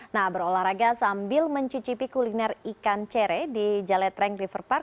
nah berolahraga sambil mencicipi kuliner ikan cere di jalet reng river park